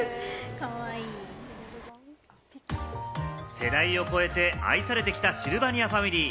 世代を超えて、愛されてきたシルバニアファミリー。